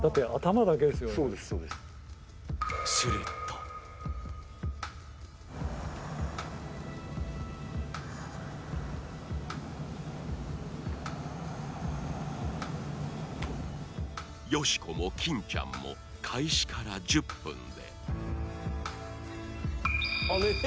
するとよしこも金ちゃんも開始から１０分であっ寝てる。